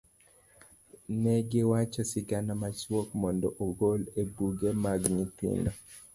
ne gichiwo sigana machuok mondo ogol e buge mag nyithindo.